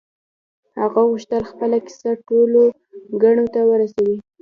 هغه غوښتل خپله کيسه ټولو کڼو ته ورسوي.